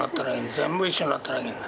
全部一緒になったらいいんだ。